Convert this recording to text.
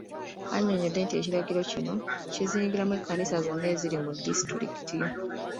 Annyonnyodde nti ekiragiro kino kizingiramu ekkanisa zonna eziri mu Disitulikiti.